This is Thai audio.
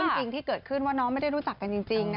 ส่วนหลักที่เขาเห็นว่าน่ารักหรือคนฟินอะไรอย่างนี้